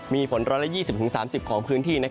มีฝนร้อยละ๒๐๓๐ของพื้นที่